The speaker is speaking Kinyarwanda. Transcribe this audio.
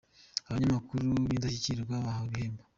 Abanyamakuru b’indashyikirwa bahawe ibihembo